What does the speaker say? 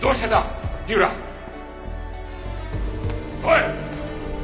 おい！